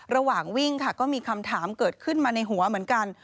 ระหว่างวิ่งค่ะก็มีคำถามเกิดขึ้นมาในหัวเหมือนกัน